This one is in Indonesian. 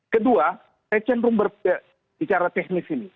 kedua saya cenderung berbicara teknis ini